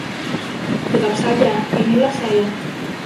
Tetap saja, inilah saya.